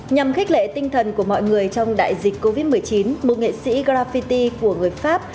nhằm khích lệ tinh thần của mọi người trong đại dịch covid một mươi chín một nghệ sĩ garaffity của người pháp